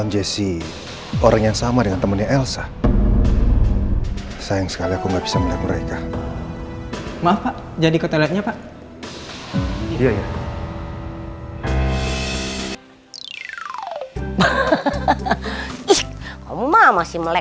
jangan pernah lagi ke atas sekolah